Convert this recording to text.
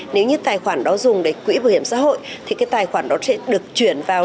nếu như tài khoản đó dùng để quỹ bảo hiểm xã hội thì cái tài khoản đó sẽ được chuyển vào